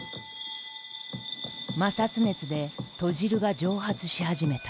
摩擦熱で研汁が蒸発し始めた。